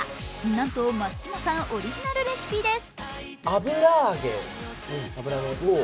なんと松島さんオリジナルレシピです。